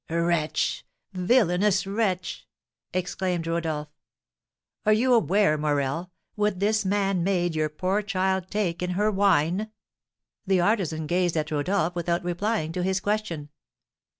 "Wretch, villainous wretch!" exclaimed Rodolph. "Are you aware, Morel, what this man made your poor child take in her wine?" The artisan gazed at Rodolph without replying to his question.